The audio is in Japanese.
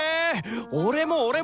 俺も俺も！